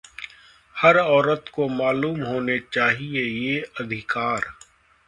हर औरत को मालूम होने चाहिए ये अधिकार